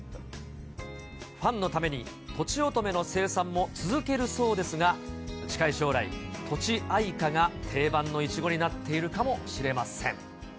ファンのために、とちおとめの生産も続けるそうですが、近い将来、とちあいかが定番のイチゴになっているかもしれません。